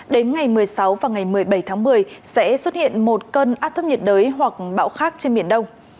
đến ngày một mươi sáu và ngày một mươi bảy tháng một mươi sẽ xuất hiện một cơn áp thấp nhiệt đới hoặc bão khác trên biển đông